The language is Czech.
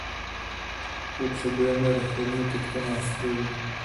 Potřebujeme reformu těchto nástrojů.